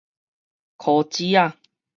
箍子仔